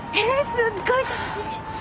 すっごい楽しみ！